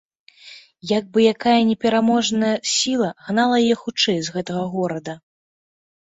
Як бы якая непераможная сіла гнала яе хутчэй з гэтага горада.